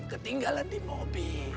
ketinggalan di mobil